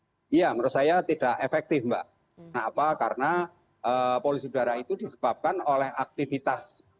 iya menurut saya tidak efektif mbak kenapa karena polusi udara itu disebabkan oleh aktivitas